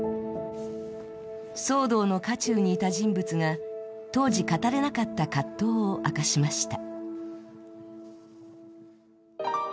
騒動の渦中にいた人物が当時語れなかった葛藤を明かしました。